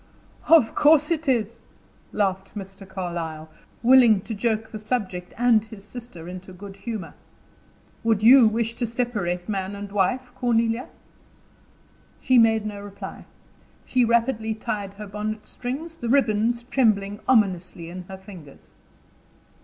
"Of course it is," laughed Mr. Carlyle, willing to joke the subject and his sister into good humor. "Would you wish to separate man and wife, Cornelia?" She made no reply. She rapidly tied her bonnet strings, the ribbons trembling ominously in her fingers.